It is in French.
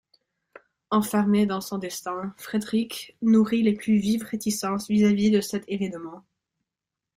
Enfermé dans son destin, Friedrich nourrit les plus vives réticences vis-à-vis de cet événement.